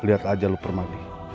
lihat aja lo permadi